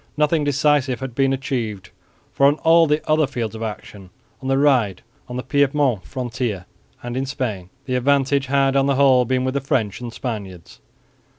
Nothing decisive had been achieved, for on all the other fields of action, on the Rhine, on the Piedmont frontier and in Spain, the advantage had on the whole been with the French and Spaniards.